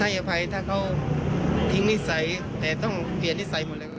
อภัยถ้าเขาทิ้งนิสัยแต่ต้องเปลี่ยนนิสัยหมดแล้ว